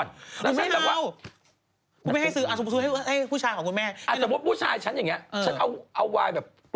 โดน